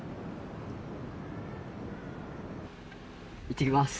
いってきます。